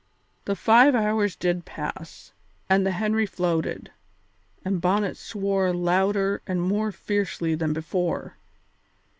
The five hours did pass, and the Henry floated, and Bonnet swore louder and more fiercely than before.